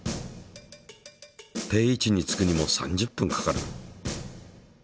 定位置につくにも３０分かかる。